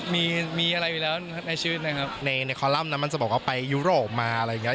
ได้มีอะไรเลยแล้วในชื่อนะครับในนักคอลัมมันสอบว่าไปอีโรปมาอะไรยัง